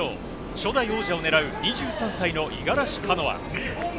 初代王者を狙う２３歳の五十嵐カノア。